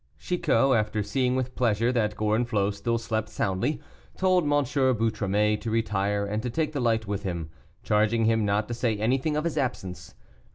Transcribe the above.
Chicot, after seeing with pleasure that Gorenflot still slept soundly, told M. Boutromet to retire and to take the light with him, charging him not to say anything of his absence.